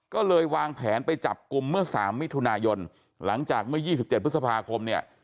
ก็เลยวางแผนไปจับกลุ่มเมื่อ๓มิถุนายนหลังจากเมื่อ๒๗พฤษภาคมเนี่ย